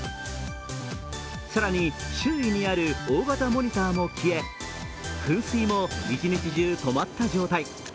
更に、周囲にある大型モニターも消え噴水も一日中止まった状態。